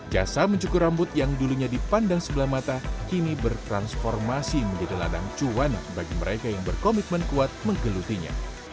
jasa mencukur rambut yang dulunya dipandang sebelah mata kini bertransformasi menjadi ladang cuan bagi mereka yang berkomitmen kuat menggelutinya